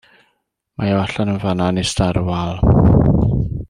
Mae o allan yn fan 'na yn ista ar y wal.